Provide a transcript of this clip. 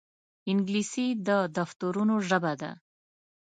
انګلیسي د دفترونو ژبه ده